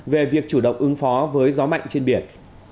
về việc chủ động ứng phó với gió mạnh trên biển